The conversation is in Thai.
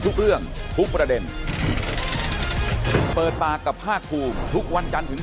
ทุกเรื่องทุกประเด็นเปิดปากกับภาคภูมิทุกวันจันทร์ถึง